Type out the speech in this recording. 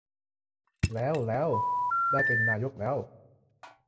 แล้ว แล้ว ได้เป็นนายกแล้ว